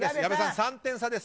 ３点差です。